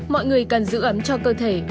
mọi người cần giữ ấm cho cơ thể